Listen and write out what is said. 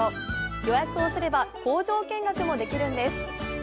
予約をすれば、工場見学もできるんです。